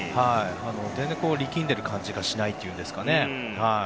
全然、力んでいる感じがしないといいますか。